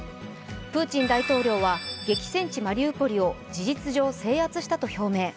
プーチン大統領は激戦地、マリウポリを事実上制圧したと表明。